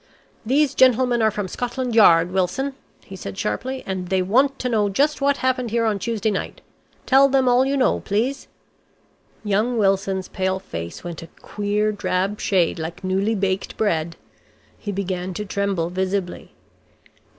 "These gentlemen are from Scotland Yard, Wilson," he said sharply, "and they want to know just what happened here on Tuesday night. Tell them all you know, please." Young Wilson's pale face went a queer drab shade like newly baked bread. He began to tremble visibly.